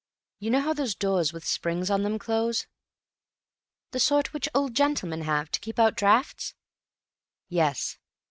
You know how those doors with springs on them close?" "The sort which old gentlemen have to keep out draughts?" "Yes.